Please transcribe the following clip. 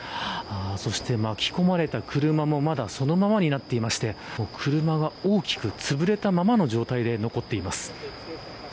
そして巻き込まれた車もそのままになっていまして車が大きくつぶれたままの状態で残っています。